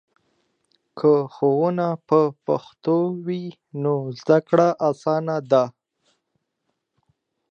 که ښوونه په پښتو وي نو زده کړه اسانه ده.